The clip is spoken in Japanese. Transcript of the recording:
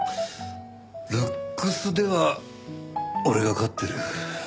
ルックスでは俺が勝ってる。